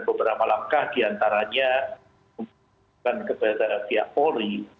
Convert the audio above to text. beberapa langkah diantaranya memperlakukan kebenaran pihak polri